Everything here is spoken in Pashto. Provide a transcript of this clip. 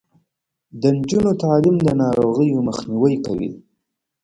د نجونو تعلیم د ناروغیو مخنیوی کوي.